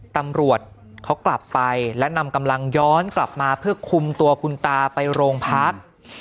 ตำรวจเขากลับไปและนำกำลังย้อนกลับมาเพื่อคุมตัวคุณตาไปโรงพัก